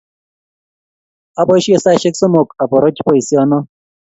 Apoisye saisyek somok aporoch poisyono